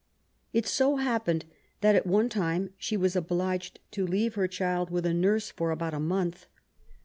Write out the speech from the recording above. It so happened that at one time she was obliged ta leave her child with her nurse for about a month.